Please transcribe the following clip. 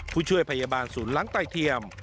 ผู้ช่วยพยาบาลศูนย์ล้างไตเทียม